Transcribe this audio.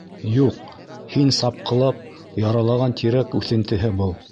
— Юҡ, һин сапҡылап, яралаған тирәк үҫентеһе был.